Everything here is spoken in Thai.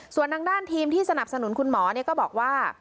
ส่วนทางด้านทีมที่สนับสนุนคุณหมอก็บอกว่า